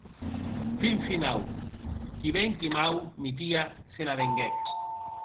Fin finau, qui ben qui mau, Mitia se n'avenguec.